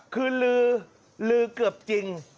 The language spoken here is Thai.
คือลือลือเกือบจริง